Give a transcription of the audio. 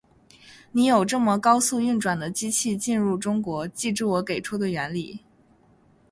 你有这么高速运转的机械进入中国，记住我给出的原理。